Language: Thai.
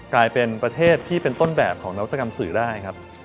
กลายเป็นประเทศที่เป็นต้นแบบของนวัตกรรมสื่อได้ครับ